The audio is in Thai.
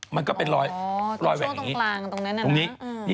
มันก็เป็นรอยแหว่งอย่างนี้ตรงนี้